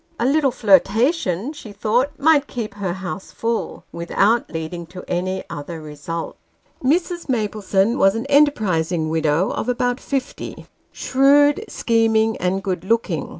A little flirtation, she thought, might keep her Bouse full, without leading to any other result. Mrs. Maplesone was an enterprising widow of about fifty : shrewd, scheming, and good looking.